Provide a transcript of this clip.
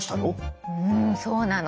うんそうなの！